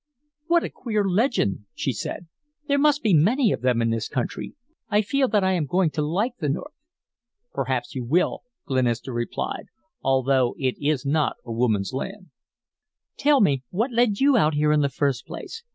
"What a queer legend!" she said. "There must be many of them in this country. I feel that I am going to like the North." "Perhaps you will," Glenister replied, "although it is not a woman's land." "Tell me what led you out here in the first place.